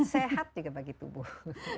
sehat juga bagi tubuh